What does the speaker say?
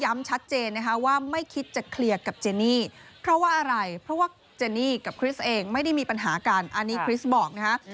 ไม่ได้มีปัญหาการอันนี้คริสบอกนะคะ